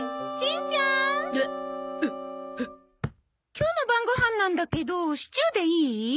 今日の晩ご飯なんだけどシチューでいい？